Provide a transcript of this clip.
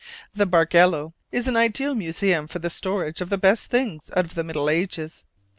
The Bargello is an ideal museum for the storage of the best things out of the Middle Ages.